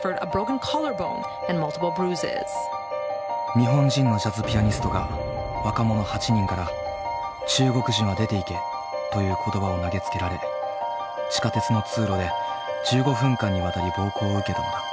日本人のジャズピアニストが若者８人から中国人は出ていけという言葉を投げつけられ地下鉄の通路で１５分間にわたり暴行を受けたのだ。